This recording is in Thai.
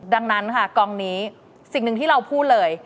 ดังนั้นค่ะกองนี้สิ่งหนึ่งที่เราพูดเลย